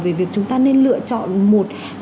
về việc chúng ta nên lựa chọn một